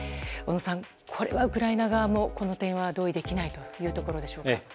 小野さん、これはウクライナ側はこの点も同意できないということでしょうか。